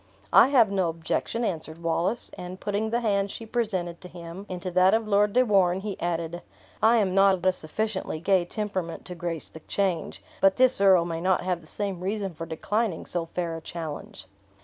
"I have no objection," answered Wallace; and putting the hand she presented to him into that of Lord de Warenne, he added, "I am not of a sufficiently gay temperament to grace the change; but this earl may not have the same reason for declining so fair a challenge!"